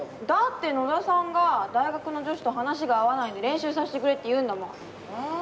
だって野田さんが大学の女子と話が合わないんで練習させてくれって言うんだもん。